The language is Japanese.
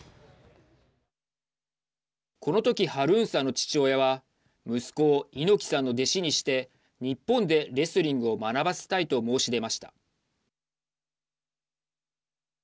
この時、ハルーンさんの父親は息子を猪木さんの弟子にして日本でレスリングを学ばせたいと申し出ました。